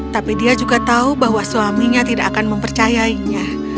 tapi dia juga tahu bahwa suaminya tidak akan mempercayainya